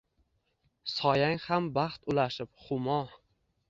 Soyang ham baxt ulashib – humo